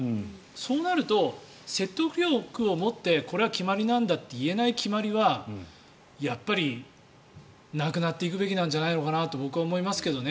そうなると説得力を持ってこれは決まりなんだと言えない決まりはなくなっていくべきなんじゃないかなと僕は思いますけどね。